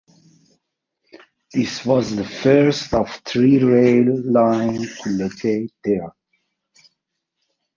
This was the first of three rail line to locate there.